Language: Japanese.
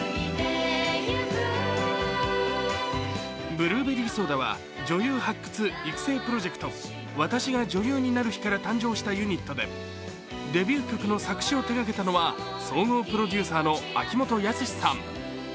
ブルーベリーソーダは女優発掘・育成プロジェクト「『私が女優になる日＿』」から誕生したユニットでデビュー曲の作詞を手がけたのは総合プロデューサーの秋元康さん。